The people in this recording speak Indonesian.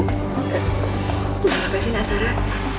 bagaimana sih nak sarah